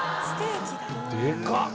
でかっ！